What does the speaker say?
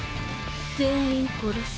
全員殺す。